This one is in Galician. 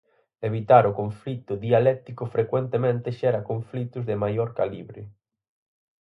Evitar o conflito dialéctico frecuentemente xera conflitos de maior calibre